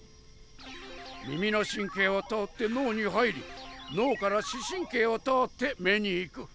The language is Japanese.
耳の神経を通って脳に入り脳から視神経を通って目に行く。